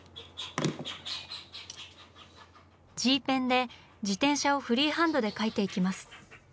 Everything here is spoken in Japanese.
Ｇペンで自転車をフリーハンドで描いていきます。